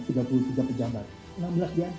enam belas diantaranya masih ada di blacklist